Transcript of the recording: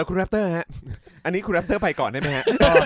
คุณแรปเตอร์ฮะอันนี้คุณแรปเตอร์ไปก่อนได้ไหมฮะ